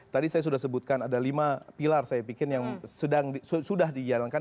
tadi saya sudah sebutkan ada lima pilar saya pikir yang sudah dijalankan